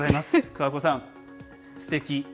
桑子さん、すてき。